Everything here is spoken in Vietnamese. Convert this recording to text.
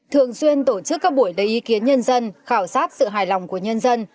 thường xuyên tổ chức các buổi lấy ý kiến nhân dân khảo sát sự hài lòng của nhân dân